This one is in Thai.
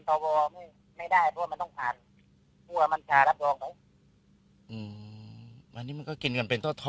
ตัวจริงไงมันมีแข้งแตร์เจ้าของเดิมที่ดูหน้าเป็นสมสม